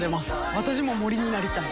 私も森になりたい。